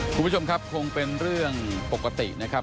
คุณผู้ชมครับคงเป็นเรื่องปกตินะครับ